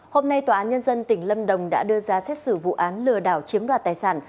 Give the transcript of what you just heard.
hôm nay tòa án nhân dân tỉnh lâm đồng đã đưa ra xét xử vụ án lừa đảo chiếm đoạt tài sản